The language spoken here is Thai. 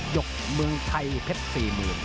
ยกมือไทยเพชรสี่หมื่น